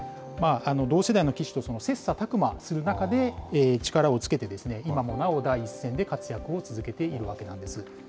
同世代の棋士と切さたく磨する中で、力をつけて今もなお、第一線で活躍を続けているわけなんです。